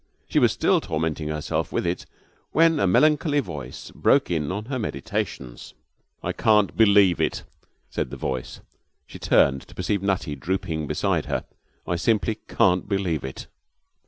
She was still tormenting herself with it when a melancholy voice broke in on her meditations. 'I can't believe it,' said the voice. She turned, to perceive Nutty drooping beside her. 'I simply can't believe it!'